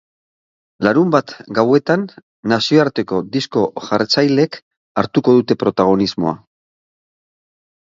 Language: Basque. Larunbat gauetan, nazioarteko disko-jartzaileek hartuko dute protagonismoa.